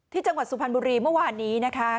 จังหวัดสุพรรณบุรีเมื่อวานนี้นะคะ